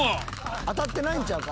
当たってないんちゃうか？